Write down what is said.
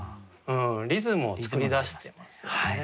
リズムを作り出してますよね。